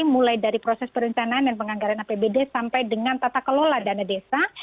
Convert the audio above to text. mulai dari proses perencanaan dan penganggaran apbd sampai dengan tata kelola dana desa